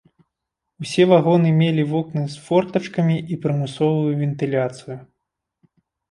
Усе вагоны мелі вокны з фортачкамі і прымусовую вентыляцыю.